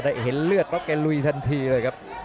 พอได้เห็นเลือดต้องการลุยทันทีเลยครับ